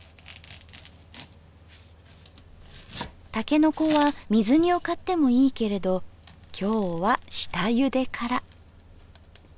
たけのこは水煮を買ってもいいけれど今日は下ゆでから。